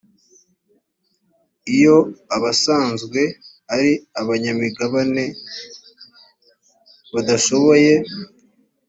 iyo abasanzwe ari abanyamigabane badashoboye